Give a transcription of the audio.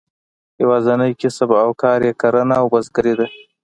یوازینی کسب او کار یې کرهڼه او بزګري ده.